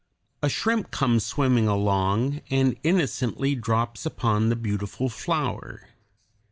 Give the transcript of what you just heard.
A shrimp comes swimming along, and innocently drops upon the beautiful flower.